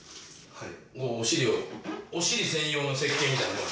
はい。